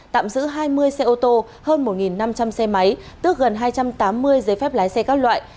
tạm giữ hai mươi xe ô tô hơn một năm trăm linh xe máy tước gần hai trăm tám mươi giấy phép lái xe các loại